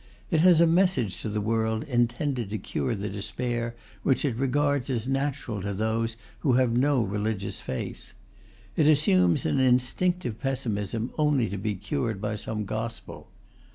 It has a message to the world intended to cure the despair which it regards as natural to those who have no religious faith. It assumes an instinctive pessimism only to be cured by some gospel.